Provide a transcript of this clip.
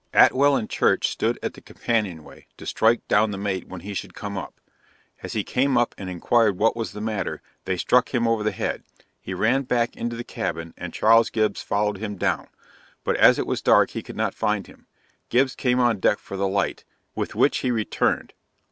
Atwell and Church stood at the companion way, to strike down the mate when he should come up. As he came up and enquired what was the matter they struck him over the head he ran back into the cabin, and Charles Gibbs followed him down; but as it was dark, he could not find him Gibbs came on deck for the light, with which he returned.